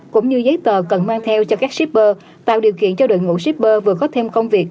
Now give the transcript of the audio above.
cũng như giấy tờ cần mang theo cho các shipper tạo điều kiện cho đội ngũ shipper vừa có thêm công việc